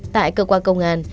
tại cơ quan công an